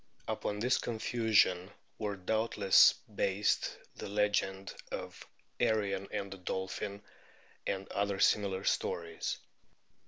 Upon this confusion were doubtless based the legend of Arion and the Dolphin and other similar stories.